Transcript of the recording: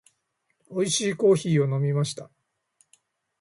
美味しいコーヒーを飲みました。